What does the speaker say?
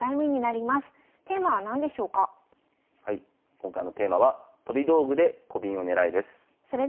今回のテーマは「飛び道具でコビンをねらえ！」です。